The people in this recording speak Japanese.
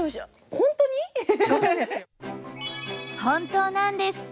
本当なんです！